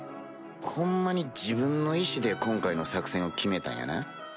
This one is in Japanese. ホンマに自分の意思で今回の作戦を決めたんやな？